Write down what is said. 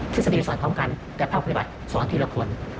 ทฤษฎีสอนพร้อมกันแต่ภาพพฤติบัตรสอนทีละคน